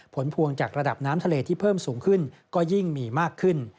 ผลพวงจากระดับน้ำทะเลที่เพิ่มสูงขึ้นก็ยิ่งมีมากขึ้น